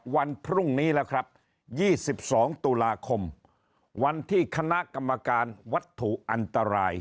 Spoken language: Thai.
วันพรุ่งนี้แล้วครับ๒๒ตุลาคมวันที่คณะกรรมการวัตถุอันตราย